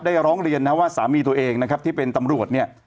ร้องเรียนนะว่าสามีตัวเองนะครับที่เป็นตำรวจเนี่ย